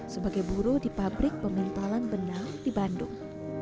sebagai buruh di pabrik pemintalan benang di bandung